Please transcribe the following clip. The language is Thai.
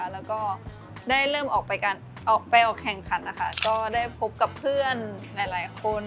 แล้วก็ได้เริ่มออกไปออกแข่งขันนะคะก็ได้พบกับเพื่อนหลายคน